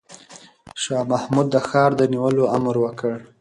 شاه محمود د ښار د نیولو امر وکړ.